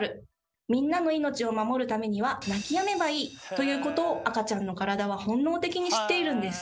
「みんなの命を守るためには泣きやめばいい」ということを赤ちゃんの体は本能的に知っているんです。